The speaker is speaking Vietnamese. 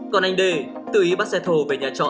còn anh đê tự ý bắt xe thổ về nhà trọ